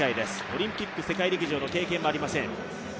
オリンピック、世界陸上の経験はありません。